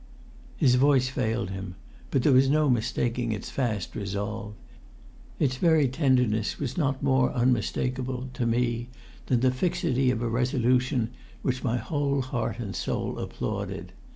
His voice failed him; but there was no mistaking its fast resolve. Its very tenderness was not more unmistakable, to me, than the fixity of a resolution which my whole heart and soul applauded.